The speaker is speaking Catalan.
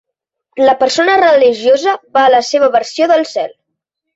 La persona religiosa va a la seva versió del cel.